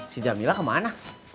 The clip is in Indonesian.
si jamila kemana